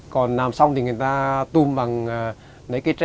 còn làm xong thì người ta tùm bằng nấy cây tre